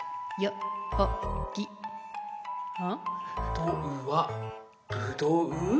「どうはぶどう」？